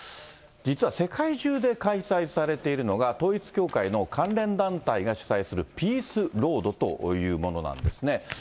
実は世界中で開催されているのが、統一教会の関連団体が主催するピースロードというものなんですね。